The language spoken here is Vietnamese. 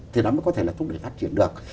thì nó mới có thể là thúc đẩy phát triển được